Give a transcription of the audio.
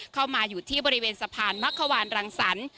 เข้ามาอยู่ที่บริเวณสะพานมักขวานรังสรรค์